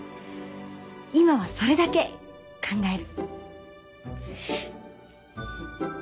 今はそれだけ考える。